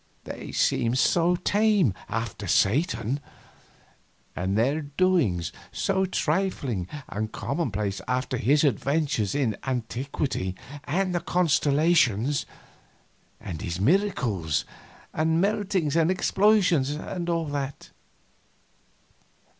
They seemed so tame, after Satan; and their doings so trifling and commonplace after his adventures in antiquity and the constellations, and his miracles and meltings and explosions, and all that.